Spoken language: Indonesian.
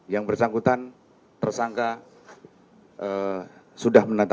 yang bersangkutan tersangka sudah menetapkan